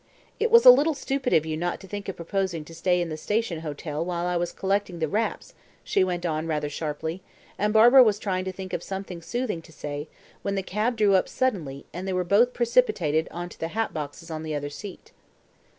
"It was a little stupid of you not to think of proposing to stay in the station hotel while I was collecting the wraps," she went on rather sharply, and Barbara was trying to think of something soothing to say, when the cab drew up suddenly and they were both precipitated on to the hat boxes on the other seat.